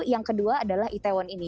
yang kedua adalah itaewon ini